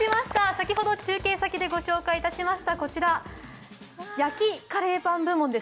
先ほど中継先でご紹介いたしましたこちら、焼きカレーパン部門で